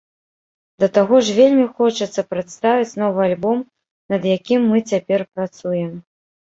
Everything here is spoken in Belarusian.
Да таго ж, вельмі хочацца прадставіць новы альбом, над якім мы цяпер працуем.